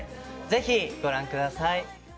ぜひご覧ください。